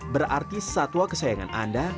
berarti satwa kesayangan anda